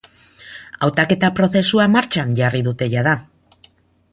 Hautaketa prozesua martxan jarri dute jada.